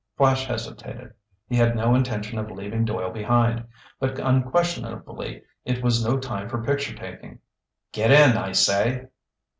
Flash hesitated. He had no intention of leaving Doyle behind. But unquestionably, it was no time for picture taking. "Get in, I say!"